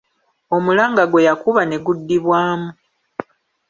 Omulanga gwe yakuba ne guddibwamu.